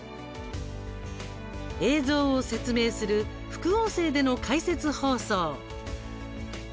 映像を説明する副音声での解説放送。